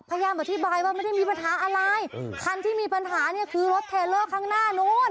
พยายามอธิบายว่าไม่ได้มีปัญหาอะไรคันที่มีปัญหาเนี่ยคือรถเทลเลอร์ข้างหน้านู้น